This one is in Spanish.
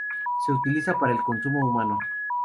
Se utiliza para el consumo humano.